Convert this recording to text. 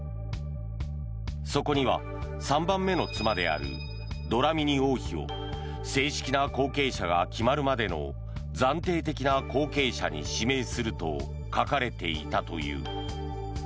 そこには３番目の妻であるドラミニ王妃を正式な後継者が決まるまでの暫定的な後継者に指名すると書かれていたという。